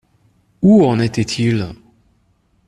Où en était-il?